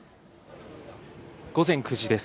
午前９時です。